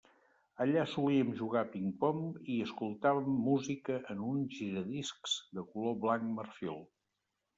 Allà solíem jugar a ping-pong i escoltàvem música en un giradiscs de color blanc marfil.